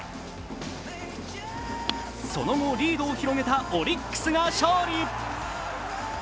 その後リードを広げたオリックスが勝利。